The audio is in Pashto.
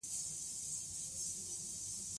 زموږ د ټیلیګرام چینل